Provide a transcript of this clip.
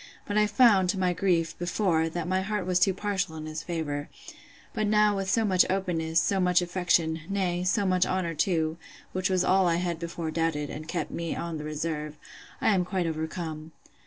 but I found, to my grief, before, that my heart was too partial in his favour; but now with so much openness, so much affection; nay, so much honour too, (which was all I had before doubted, and kept me on the reserve,) I am quite overcome.